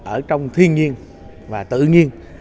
ở trong thiên nhiên và tự nhiên